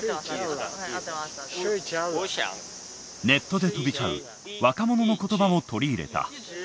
ネットで飛び交う若者の言葉も取り入れた。